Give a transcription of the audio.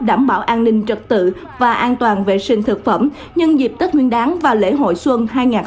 đảm bảo an ninh trật tự và an toàn vệ sinh thực phẩm nhân dịp tết nguyên đáng và lễ hội xuân hai nghìn hai mươi bốn